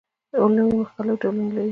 لوبیې مختلف ډولونه لري